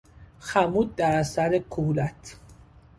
خمود در اثر کهولت